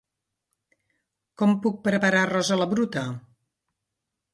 Com puc preparar arròs a la bruta?